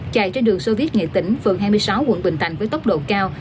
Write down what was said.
chạy trên đường soviet nghệ tỉnh phường hai mươi sáu quận bình thạnh với tốc độ cao